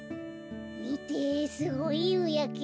みてすごいゆうやけ。